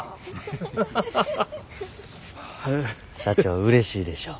社長うれしいでしょ。